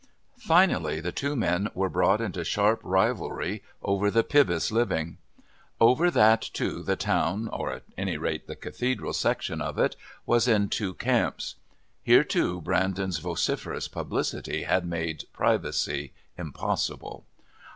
Finally the two men were brought into sharp rivalry over the Pybus living. Over that, too, the town, or at any rate the Cathedral section of it, was in two camps. Here, too, Brandon's vociferous publicity had made privacy impossible.